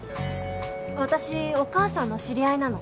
私お母さんの知り合いなの。